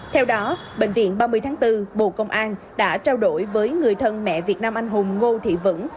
theo đó bệnh viện ba mươi tháng bốn bộ công an đã trao đổi với người thân mẹ việt nam anh hùng ngô thị vững